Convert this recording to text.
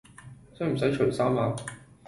使唔使除衫呀？